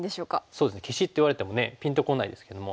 そうですね消しって言われてもねぴんとこないですけども。